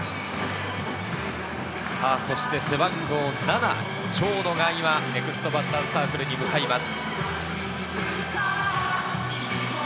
そして背番号７、長野が今、ネクストバッターズサークルに向かいます。